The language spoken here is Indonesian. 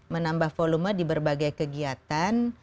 menambah volume di berbagai kegiatan